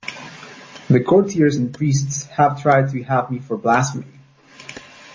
The courtiers and priests have tried to have me for blasphemy.